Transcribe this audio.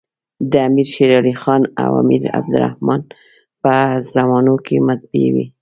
د امیر شېرعلي خان او امیر عبدالر حمن په زمانو کي مطبعې وې.